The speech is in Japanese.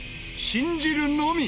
信じるのみ！